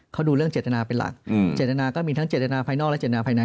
เขาดูเรื่องเจตนาเป็นหลักเจตนาก็มีทั้งเจตนาภายนอกและเจตนาภายใน